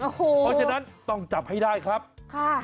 เพราะฉะนั้นต้องจับให้ได้ครับค่ะ